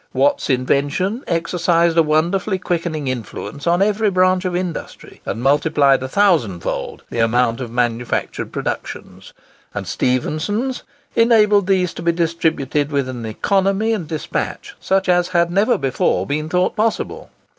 Watt's invention exercised a wonderfully quickening influence on every branch of industry, and multiplied a thousand fold the amount of manufactured productions; and Stephenson's enabled these to be distributed with an economy and despatch such as had never before been thought possible.